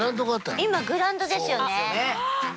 今グラウンドですよね。